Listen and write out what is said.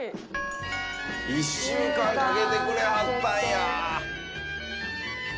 「１週間かけてくれはったんや」